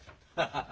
ハハハ。